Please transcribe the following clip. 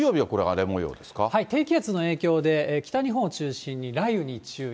ただ、低気圧の影響で、北日本を中心に雷雨に注意。